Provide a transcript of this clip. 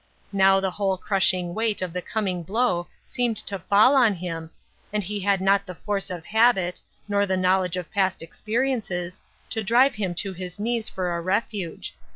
Now the whole crushing weight of the coming blow seemed to fall on him, and lie had not the force of habit, nor the knowledge of past experiences, to drive him to his knees for a refuge.